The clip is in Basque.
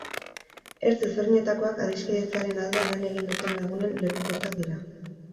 Ertz ezberdinetakoak adiskidetzearen alde lan egin duten lagunen lekukotzak dira.